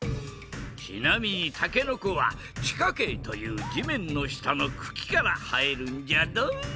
ちなみにたけのこは地下茎というじめんのしたのくきからはえるんじゃドン！